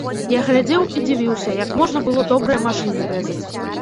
Я глядзеў і дзівіўся, як можна было добрыя машыны рэзаць.